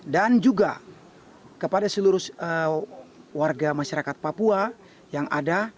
dan juga kepada seluruh warga masyarakat papua yang ada